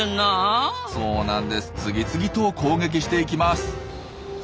次々と攻撃していきます。